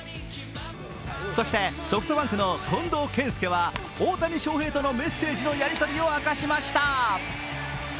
そしてソフトバンクの近藤健介は大谷翔平とのメッセージのやりとりを明かしました。